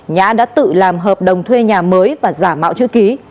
nhã đã tự làm hợp đồng thuê nhà mới và giả mạo chữ ký